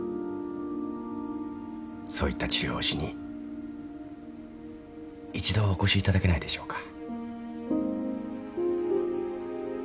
そういった治療をしに一度お越しいただけないでしょうか。